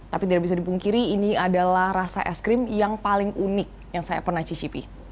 tapi tidak bisa dipungkiri ini adalah rasa es krim yang paling unik yang saya pernah cicipi